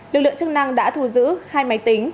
lực lượng chức năng đã thu giữ hai máy tính